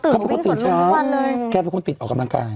ตื่นเมื่อวิ่งสวนมุมผู้ว่านเลยแค่เป็นคนติดออกกำลังกาย